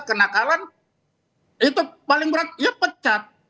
kenakalan itu paling berat ya pecat